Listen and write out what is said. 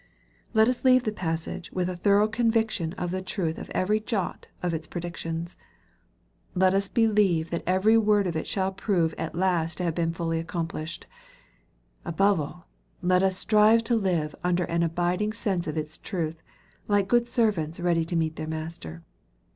Let us leave the passage with a thorough conviction 290 EXPOSITORY THOUGHTS. of the truth of every jot of its predictions. Let us be lieve that every word of it shall prove at last to have been fully accomplished. Above all, let us strive to live under an abiding sense of its truth, like good servants ready to meet their master.